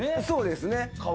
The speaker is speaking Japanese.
そうですね。